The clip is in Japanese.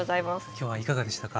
今日はいかがでしたか？